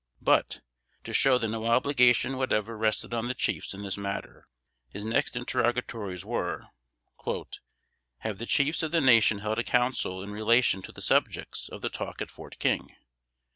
But, to show that no obligation whatever rested on the chiefs in this matter, his next interrogatories were, "Have the chiefs of the Nation held a Council in relation to the subjects of the talk at Fort King?